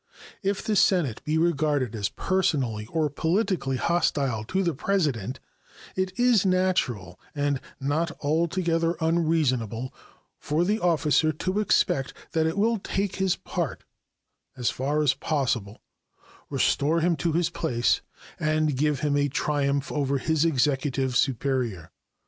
If the Senate be regarded as personally or politically hostile to the President, it is natural, and not altogether unreasonable, for the officer to expect that it will take his part as far as possible, restore him to his place, and give him a triumph over his Executive superior.